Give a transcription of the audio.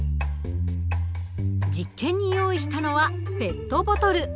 実験に用意したのはペットボトル。